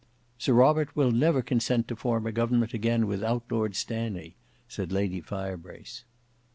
"Sir Robert will never consent to form a government again without Lord Stanley," said Lady Firebrace.